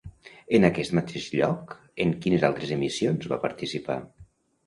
En aquest mateix lloc, en quines altres emissions va participar?